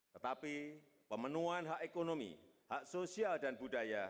tetapi pemenuhan hak ekonomi hak sosial dan budaya